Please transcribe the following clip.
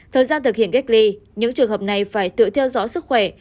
thời gian thực hiện cách ly những trường hợp này phải tự theo dõi sức khỏe